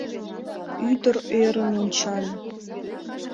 Ӱдыр ӧрын ончале: